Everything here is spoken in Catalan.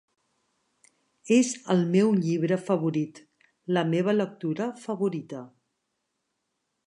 És el meu llibre favorit, la meva lectura favorita.